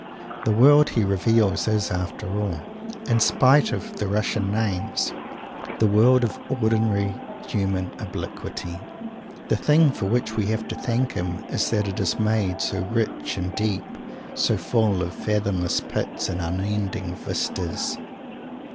The world he reveals is, after all, in spite of the Russian names, the world of ordinary human obliquity. The thing for which we have to thank him is that it is made so rich and deep, so full of fathomless pits and unending vistas.